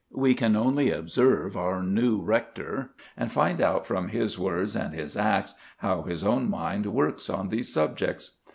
We can only observe our new rector, and find out from his words and his acts how his own mind works on these subjects.